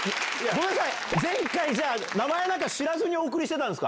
ごめんなさい、前回じゃあ、名前なんか知らずにお送りしてたんですか？